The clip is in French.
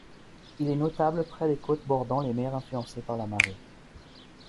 Il est notable près des côtes bordant les mers influencées par la marée.